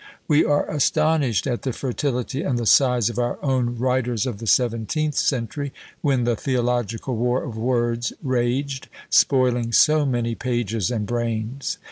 We are astonished at the fertility and the size of our own writers of the seventeenth century, when the theological war of words raged, spoiling so many pages and brains.